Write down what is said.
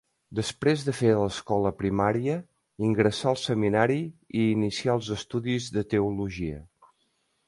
Després de fer l'escola primària ingressà al seminari i inicià els estudis de teologia.